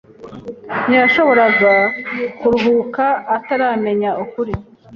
Ntiyashoboraga kuruhuka ataramenya ukuri.